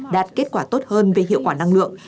đạt kết quả tốt hơn về hiệu quả năng lượng